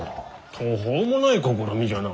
途方もない試みじゃな。